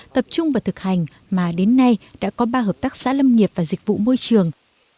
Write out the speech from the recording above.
tập trung và thực hành mà đến nay đã có ba hợp tác xã lâm nghiệp và dịch vụ môi trường